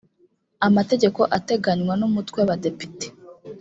amategeko ateganywa n umutwe w abadepite